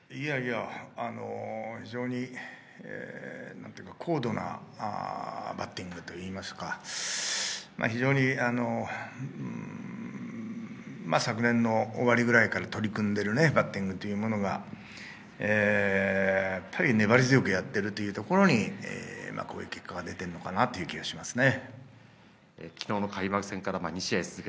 いやいや、非常に高度なバッティングといいますか、非常に、昨年の終わりぐらいから取り組んでいるバッティングというものがやっぱり粘り強くやっているところにこういう結果が出ているのかなという気がしますね。